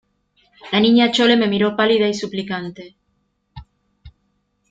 la Niña Chole me miró pálida y suplicante: